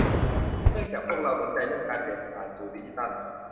เนื่องจากพวกเราสนใจเรื่องการเปลี่ยนผ่านสู่ดิจิทัล